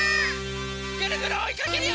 ぐるぐるおいかけるよ！